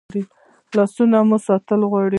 لاسونه مو ساتنه غواړي